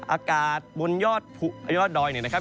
อากาศบนยอดดอยเนี่ยนะครับ